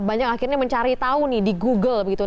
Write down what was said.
banyak akhirnya mencari tahu nih di google begitu